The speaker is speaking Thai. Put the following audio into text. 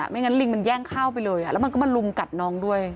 ไม่งั้นลิงมันแย่งเข้าไปเลยแล้วมันก็มาลุมกัดน้องด้วย